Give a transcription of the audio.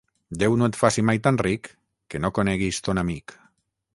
Déu no et faci mai tan ric, que no coneguis ton amic.